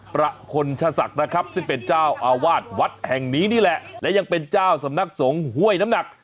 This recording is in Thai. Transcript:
ประพลชศักดิ์นะครับซึ่งเป็นเจ้าอาวาสวัดแห่งนี้นี่แหละและยังเป็นเจ้าสำนักสงฆ์ห้วยน้ำหนัก